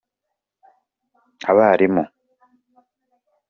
abarimu.